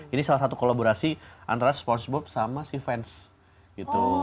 ini salah satu kolaborasi antara spongebob sama si vans gitu